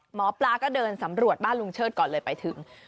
หมอปลาก็เดินสำรวจบ้านลุงเชิดก่อนเลยไปถึง